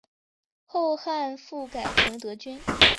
后汉复改成德军。